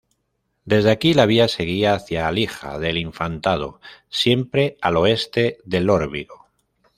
Desde aquí la Vía seguía hacia Alija del Infantado, siempre al oeste del Órbigo.